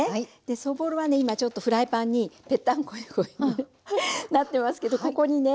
そぼろはね今ちょっとフライパンにぺったんこなってますけどここにね